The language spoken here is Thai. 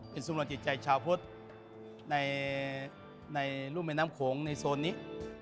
เป็นสำรองจิตใจชาวพุทธในรุ่มแม่น้ำโขงในโซนนี้